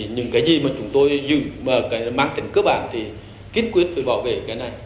những cái gì mà chúng tôi mang tính cơ bản thì kiến quyết phải bảo vệ cái này